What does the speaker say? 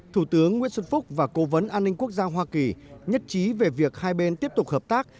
thủ tướng nguyễn xuân phúc và cố vấn an ninh quốc gia hoa kỳ nhất trí về việc hai bên tiếp tục hợp tác